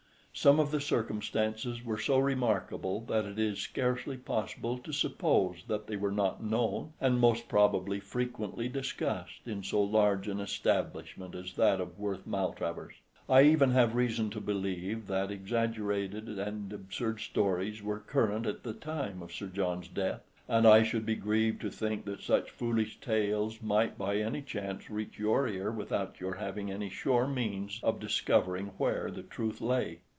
Some of the circumstances were so remarkable that it is scarcely possible to suppose that they were not known, and most probably frequently discussed, in so large an establishment as that of Worth Maltravers. I even have reason to believe that exaggerated and absurd stories were current at the time of Sir John's death, and I should be grieved to think that such foolish tales might by any chance reach your ear without your having any sure means of discovering where the truth lay.